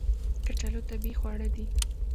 کچالو طبیعي خواړه دي